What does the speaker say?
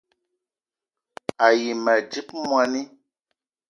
A yi ma dzip moni